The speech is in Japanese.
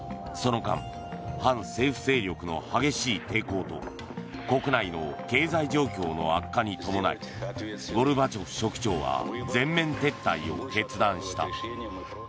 その間反政府勢力の激しい抵抗と国内の経済状況の悪化に伴いゴルバチョフ書記長は全面撤退を決断した。